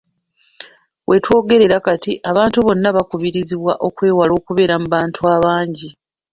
Wetwogerera kati, abantu bonna baakubirizibwa okwewala okubeera mu bantu abangi.